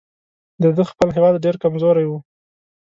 د ده خپل هیواد ډېر کمزوری وو.